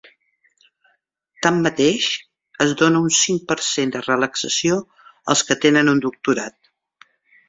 Tanmateix, es dona un cinc per cent de relaxació als que tenen un doctorat.